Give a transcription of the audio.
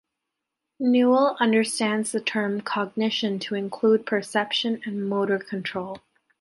Newell understands the term cognition to include perception and motor control.